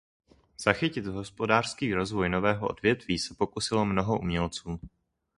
Zachytit hospodářský rozvoj nového odvětví se pokusilo mnoho umělců.